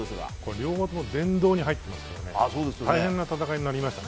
両方とも殿堂に入っていますから大変な戦いになりました。